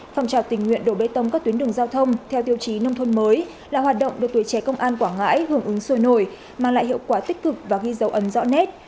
phòng trào tình nguyện đổ bê tông các tuyến đường giao thông theo tiêu chí nông thôn mới là hoạt động được tuổi trẻ công an quảng ngãi hưởng ứng sôi nổi mang lại hiệu quả tích cực và ghi dấu ấn rõ nét